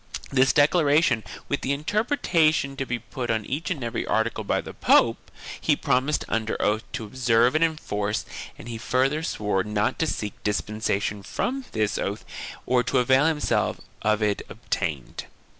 This declaration, with the interpretation to be put on each and every article by the pope, he promised under oath to observe and enforce and he further swore not to seek dispensation from this oath or to avail himself of it if obtained.